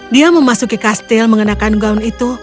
dia memasuki kastil mengenakan gaun itu